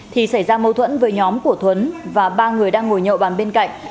thì xảy ra mâu thuẫn với nhóm của thuấn và ba người đang ngồi nhậu bàn bên cạnh